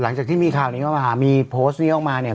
หลังจากที่มีข่าวนี้เข้ามาหามีโพสต์นี้ออกมาเนี่ย